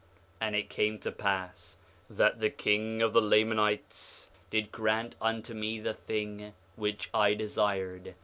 6:3 And it came to pass that the king of the Lamanites did grant unto me the thing which I desired.